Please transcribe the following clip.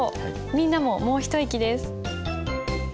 みんなももう一息です。